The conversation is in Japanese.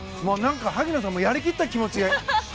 萩野さんやり切った気持ち。